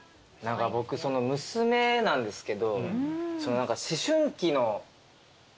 僕娘なんですけど。